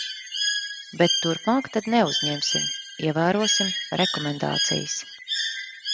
Bet turpmāk tad neuzņemsim, ievērosim rekomendācijas.